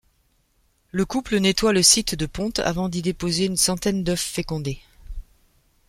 Le couple nettoye le site de ponte avant d'y déposer une centaine d'œufs fécondés.